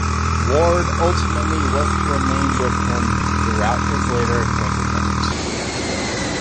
Ward ultimately was to remain with him throughout his later imprisonment.